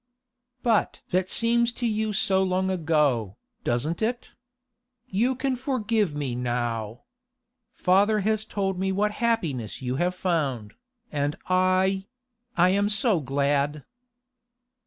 'But that seems to you so long ago, doesn't it? You can forgive me now. Father has told me what happiness you have found, and I—I am so glad!